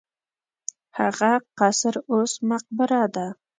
هغه قصر اوس مقبره ده.